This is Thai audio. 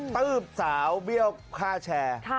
ตื๊บสาวเบี้ยวค่าแชร์